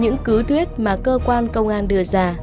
những cứ thuyết mà cơ quan công an đưa ra